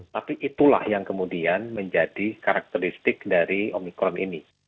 tapi itulah yang kemudian menjadi karakteristik dari omikron ini